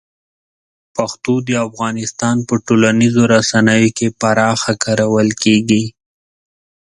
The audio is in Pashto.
پښتو د افغانستان په ټولنیزو رسنیو کې پراخه کارول کېږي.